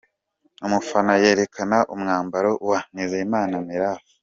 Umufana yerekana umwambaro wa Nizeyimana Mirafa.